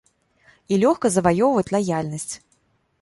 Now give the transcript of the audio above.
І лёгка заваёўваць лаяльнасць.